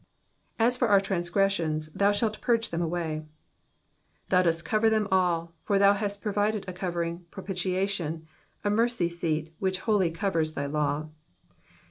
^*A$ for imr tnuufpremioni^ thou $hdlt purge them, atMiy/* Thou dost coyer them all, for thou hast proyided a covering propitiation, a mercy seat which wholly covers thy law.